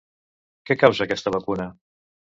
Què causa aquesta vacuna?